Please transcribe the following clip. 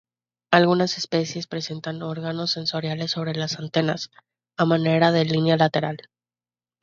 Algunas especies presentan órganos sensoriales sobre las antenas, a manera de línea lateral.